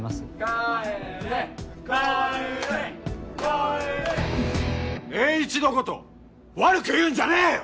帰れ帰れ帰れエーイチのこと悪く言うんじゃねえよ！